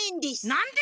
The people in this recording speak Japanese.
なんで？